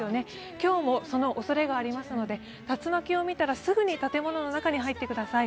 今日もそのおそれがありますので、竜巻を見たらすぐ建物の中に入ってください。